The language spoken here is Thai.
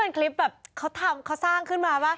หันมาป๊ากล้องอ้าว